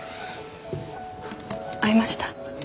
会いました？